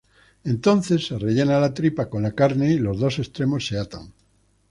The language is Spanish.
Entonces se rellena la tripa con la carne y los dos extremos se atan.